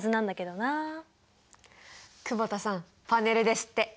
久保田さんパネルですって。